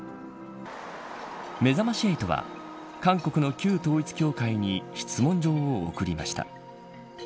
めざまし８は韓国の旧統一教会に質問状を送りました。